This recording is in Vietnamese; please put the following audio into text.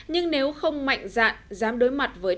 nhưng nếu không mạnh dạn dám đối mặt với tham gia